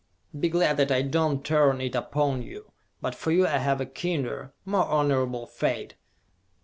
Be glad that I do not turn it upon you; but for you I have a kinder, more honorable fate!